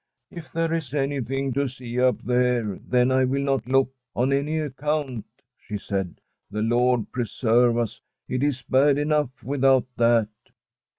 ' If there is anything to see up there, then I will not look on any account/ she said. *Thc Lord preserve us ! it is bad enough without that.'